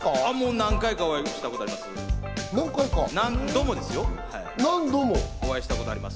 何回かお会いしたことあります。